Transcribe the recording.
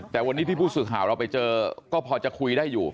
แต่วันนี้ที่ผู้สื่อข่าวเราไปเจอก็พอจะคุยได้อยู่